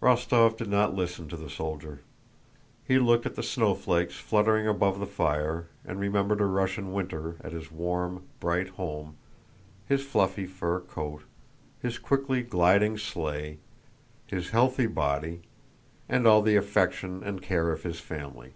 Rostóv did not listen to the soldier. He looked at the snowflakes fluttering above the fire and remembered a Russian winter at his warm, bright home, his fluffy fur coat, his quickly gliding sleigh, his healthy body, and all the affection and care of his family.